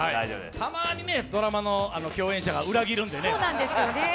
たまにドラマの共演者が裏切るんでね。